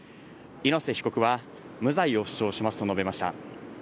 猪瀬被告は無罪を主張しますと述べました。